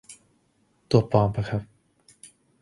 ตัวปลอมปะครับ